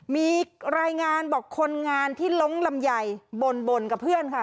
มีรายงานบอกคนงานที่ล้งลำไยบ่นกับเพื่อนค่ะ